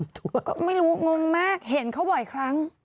ถูกแล้วก็ไม่รู้งงมากเห็นเขาบ่อยครั้ง